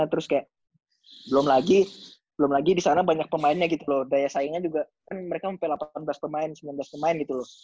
terus kayak belum lagi belum lagi di sana banyak pemainnya gitu loh daya saingnya juga kan mereka sampai delapan belas pemain sembilan belas pemain gitu loh